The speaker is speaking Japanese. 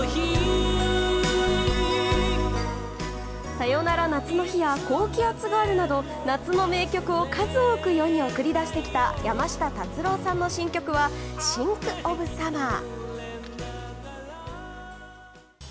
「さよなら夏の日」や「高気圧ガール」など夏の名曲を数多く世に送り出してきた山下達郎さんの新曲は「ＳｙｎｃＯｆＳｕｍｍｅｒ」。